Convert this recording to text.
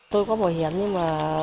tôi có bồi hiểm nhưng mà